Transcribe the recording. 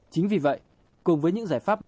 chính vì vậy cùng với những giải pháp